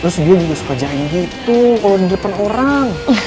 terus dia juga suka jahi gitu kalau di depan orang